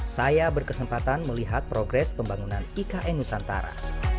saya berkesempatan melihat progres pembangunan ikn nusantara